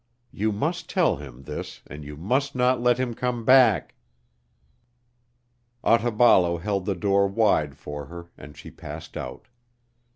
You must tell him this and you must not let him come back." Otaballo held the door wide for her and she passed out.